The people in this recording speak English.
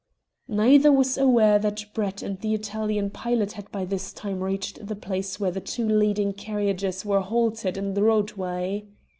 Neither was aware that Brett and the Italian pilot had by this time reached the place where the two leading carriages were halted in the roadway.